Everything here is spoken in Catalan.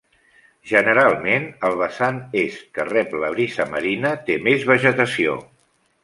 Generalment el vessant est, que rep la brisa marina, té més vegetació.